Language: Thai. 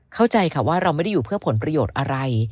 เข้าใจค่ะว่าเราไม่ได้อยู่เพื่อผลประโยชน์อะไร